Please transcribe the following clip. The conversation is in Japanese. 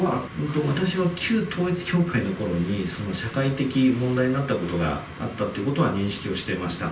私は旧統一教会のころに、社会的問題になったことがあったということは認識をしていました。